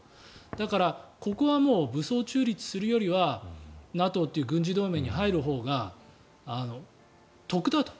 だから、ここはもう武装中立するよりはＮＡＴＯという軍事同盟に入るほうが得だと。